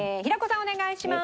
お願いします。